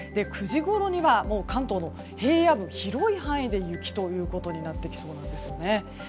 ９時ごろには関東の平野部広い範囲で雪ということになってきそうなんですよね。